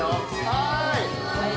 はい。